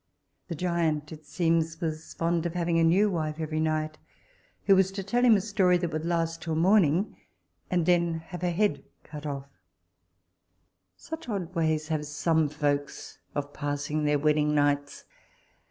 The giant, it seems, was fond of having a new wife every night, who was to tell him a story that would last till morning, and then have her head cut off such odd ways have some folks of passing their wedding nights!